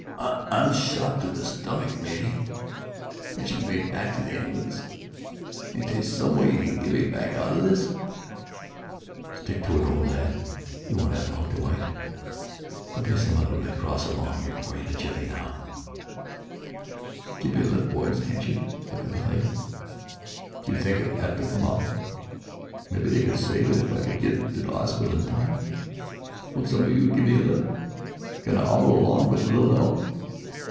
"I'm shot through the stomach, matey! Can't you get me back to the ambulance? Ain't they some way you can get me back out o' this?" "Stick it, old lad! You won't 'ave long to wite. They'll be some of the Red Cross along 'ere in a jiffy now." "Give me a lift, boys, can't you? Look at my leg! Do you think it'll 'ave to come off? Maybe they could save it if I could get to 'ospital in time! Won't some of you give me a lift? I can 'obble along with a little 'elp."